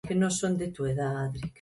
Que non son de túa edade.